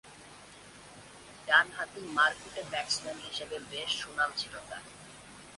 ডানহাতি মারকুটে ব্যাটসম্যান হিসেবে বেশ সুনাম ছিল তার।